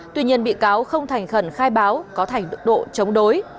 tuy nhiên bị cáo không thành khẩn khai báo có thành đức độ chống đối